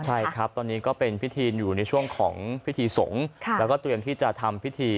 ใช่ครับตอนนี้ก็เป็นพิธีอยู่ในช่วงของพิธีสงฆ์แล้วก็เตรียมที่จะทำพิธี